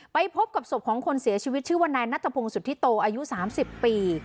ไปพบกับศพของคนเสียชีวิตชื่อว่านายนัทพงศุธิโตอายุ๓๐ปี